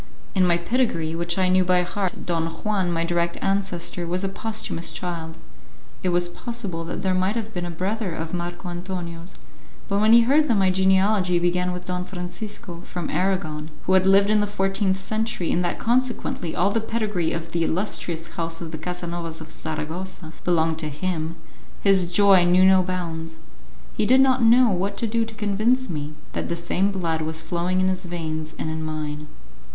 In my pedigree, which I knew by heart, Don Juan, my direct ancestor, was a posthumous child. It was possible that there might have been a brother of Marco Antonio's; but when he heard that my genealogy began with Don Francisco, from Aragon, who had lived in the fourteenth century, and that consequently all the pedigree of the illustrious house of the Casanovas of Saragossa belonged to him, his joy knew no bounds; he did not know what to do to convince me that the same blood was flowing in his veins and in mine.